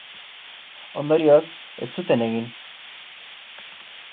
Ondorioz, ez zuten egin.